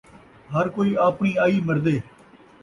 ہر کئی آپݨی آئی مردے